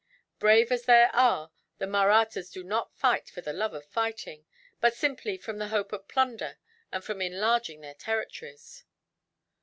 Brave as they are, the Mahrattas do not fight for the love of fighting, but simply from the hope of plunder and of enlarging their territories.